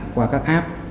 qua các app